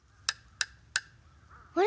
あれ？